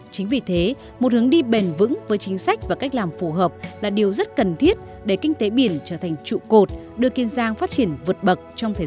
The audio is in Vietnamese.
chính vì thế một hướng đi bền vững với chính sách và cách làm phù hợp là điều rất cần thiết để kinh tế biển trở thành trụ cột đưa kiên giang phát triển vượt bậc